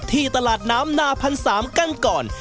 ที่ตลาดน้ำนาพันสามกันก่อน